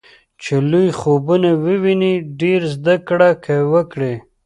چې لوی خوبونه وويني ډېره زده کړه وکړي.